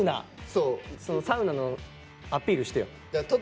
そのサウナのアピールしてよ。